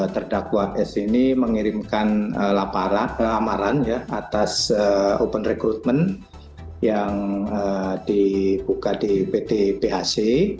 terdakwa s ini mengirimkan amaran atas open recruitment yang dibuka di pt phc